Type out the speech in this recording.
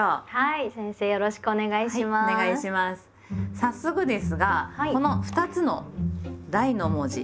早速ですがこの２つの「大」の文字